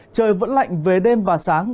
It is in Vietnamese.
trời vẫn lạnh về đêm và sáng